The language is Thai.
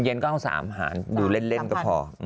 เย็นก็เอา๓หารดูเล่นก็พอ